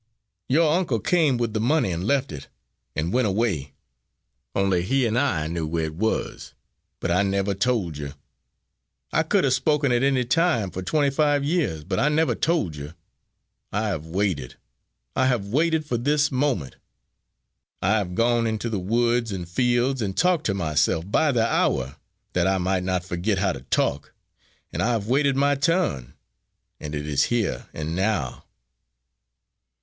"Your uncle came with the money and left it, and went away. Only he and I knew where it was. But I never told you! I could have spoken at any time for twenty five years, but I never told you! I have waited I have waited for this moment! I have gone into the woods and fields and talked to myself by the hour, that I might not forget how to talk and I have waited my turn, and it is here and now!"